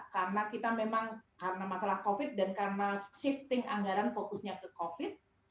karena kita memang karena masalah covid dan karena shifting anggaran fokusnya ke covid